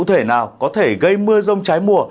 không biết cụ thể nào có thể gây mưa rông trái mùa